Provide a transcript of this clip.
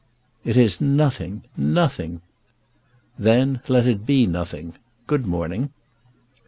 "It is nothing; nothing!" "Then let it be nothing. Good morning."